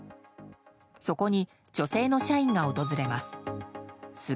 そこに女性の社員が訪れます。